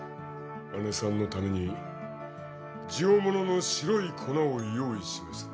姐さんのために上物の白い粉を用意しました。